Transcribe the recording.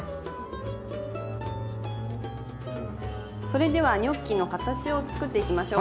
それではニョッキの形を作っていきましょう。